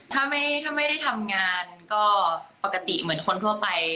ถ้าไม่ได้ทำงานก็ปกติเหมือนคนทั่วไป